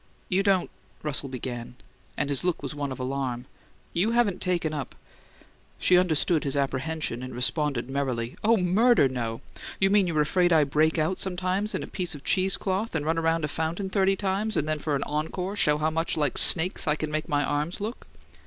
"You don't " Russell began, and his look was one of alarm. "You haven't taken up " She understood his apprehension and responded merrily, "Oh, murder, no! You mean you're afraid I break out sometimes in a piece of cheesecloth and run around a fountain thirty times, and then, for an encore, show how much like snakes I can make my arms look."